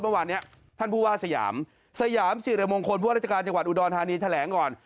เมื่อวานนี้ท่านผู้ว่าสยามสยามสิริมงคลผู้ราชการจังหวัดอุดรธานีแถลงก่อน